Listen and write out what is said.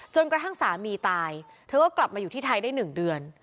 กระทั่งสามีตายเธอก็กลับมาอยู่ที่ไทยได้๑เดือน